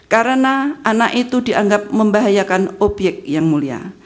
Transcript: karena anak itu dianggap membahayakan obyek yang mulia